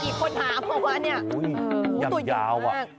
กี่คนหามากว่านี่อย่างยาว